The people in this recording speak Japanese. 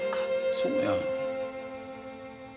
そうや。